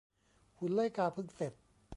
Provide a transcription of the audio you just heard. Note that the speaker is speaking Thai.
หุ่นไล่กาเพิ่งเสร็จ